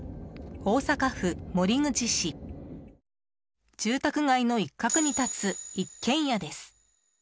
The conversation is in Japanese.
大阪府守口市住宅街の一角に立つ一軒家です。